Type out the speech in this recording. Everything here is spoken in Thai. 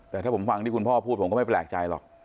แต่ถ้าผมฟังที่คุณพ่อพูดผมก็ไม่แปลกใจหรอก